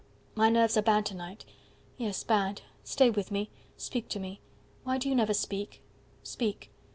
110 "My nerves are bad to night. Yes, bad. Stay with me. Speak to me. Why do you never speak? Speak.